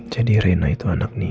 jadi reina itu anak nina